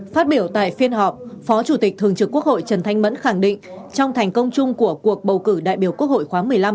phát biểu tại phiên họp phó chủ tịch thường trực quốc hội trần thanh mẫn khẳng định trong thành công chung của cuộc bầu cử đại biểu quốc hội khóa một mươi năm